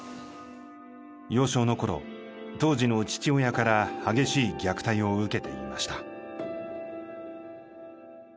幼少のころ当時の父親から激しい虐待を受けていました。